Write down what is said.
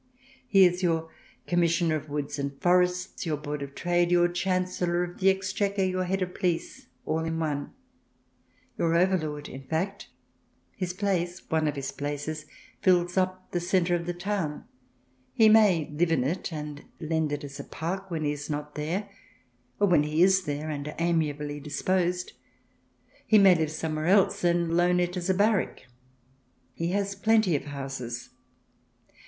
He is your Commissioner of Woods and Forests, your Board of Trade, your Chancellor of the Exchequer, your head of police, all in one — your overlord, in fact. His place — one of his places — fills up the centre of the town. He may live in it, and lend it as a park when he is not there, or when he is there and amiably dis posed ; he may live somewhere else, and loan it as a barrack. He has plenty of houses.